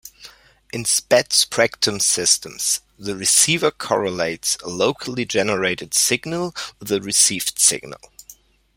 In spread-spectrum systems, the receiver correlates a locally generated signal with the received signal.